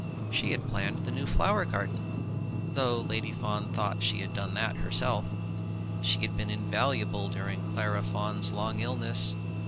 She had planned the new flower garden, though Lady Fawn thought that she had done that herself. She had been invaluable during Clara Fawn's long illness.